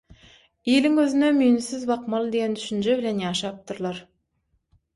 iliň gözüne müýnsiz bakmaly diýen düşünje bilen ýaşapdyrlar.